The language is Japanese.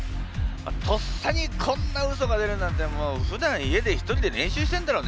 とっさにこんなウソが出るなんてふだん家で１人で練習してるんだろうね。